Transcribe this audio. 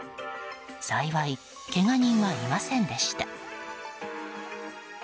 幸い、けが人はいませんでした。